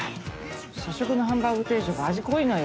社食のハンバーグ定食味濃いのよ。